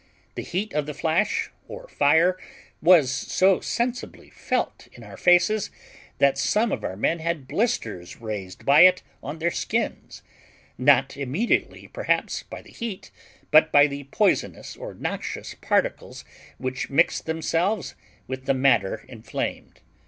The heat of the flash, or fire, was so sensibly felt in our faces, that some of our men had blisters raised by it on their skins, not immediately, perhaps, by the heat, but by the poisonous or noxious particles which mixed themselves with the matter inflamed.